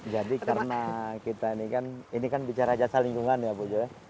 jadi karena kita ini kan ini kan bicara jasa lingkungan ya bu jo